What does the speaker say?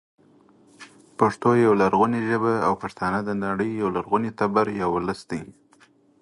پښتو يوه لرغونې ژبه او پښتانه د نړۍ یو لرغونی تبر یا ولس دی